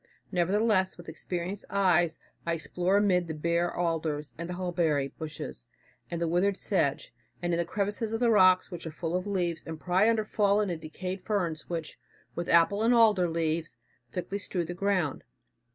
Nevertheless, with experienced eyes I explore amid the bare alders, and the huckleberry bushes, and the withered sedge, and in the crevices of the rocks, which are full of leaves, and pry under the fallen and decayed ferns which, with apple and alder leaves, thickly strew the ground.